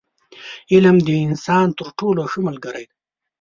• علم، د انسان تر ټولو ښه ملګری دی.